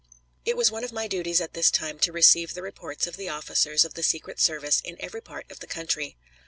It was one of my duties at this time to receive the reports of the officers of the secret service in every part of the country.